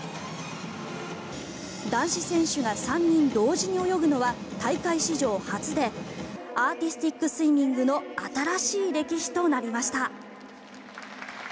男子選手が３人同時に泳ぐのは大会史上初でアーティスティックスイミングの新しい歴史となりました。